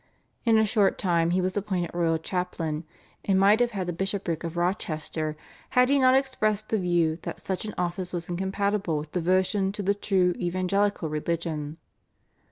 In a short time he was appointed royal chaplain, and might have had the Bishopric of Rochester had he not expressed the view that such an office was incompatible with devotion to the true evangelical religion.